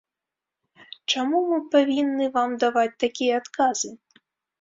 Чаму мы павінны вам даваць такія адказы?